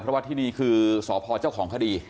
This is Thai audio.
เพราะว่าที่นี่คือสพเจ้าของคดี